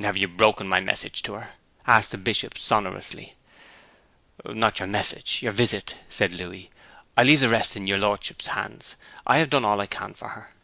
'Have you broken my message to her?' asked the Bishop sonorously. 'Not your message; your visit,' said Louis. 'I leave the rest in your Lordship's hands. I have done all I can for her.'